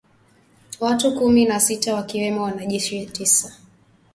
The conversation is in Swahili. Watu kumi na sita wakiwemo wanajeshi tisa